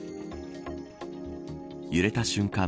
揺れた瞬間